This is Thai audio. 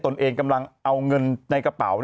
ตนเองกำลังเอาเงินในกระเป๋า